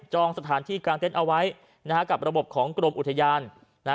สถานที่กลางเต็นต์เอาไว้กับระบบของกรมอุทยาน